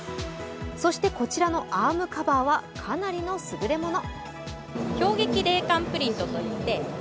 そして、こちらのアームカバーはかなりのすぐれもの。